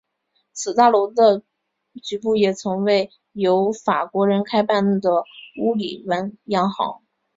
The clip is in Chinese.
此大楼的局部也曾为由法国人开办的乌利文洋行。